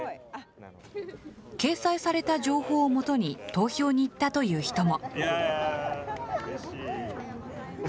掲載された情報を基に投票に行ったという人も。